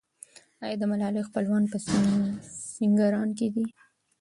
آیا د ملالۍ خپلوان په سینګران کې دي؟